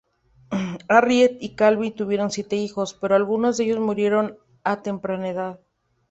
Harriet y Calvin tuvieron siete hijos, pero algunos de ellos murieron a temprana edad.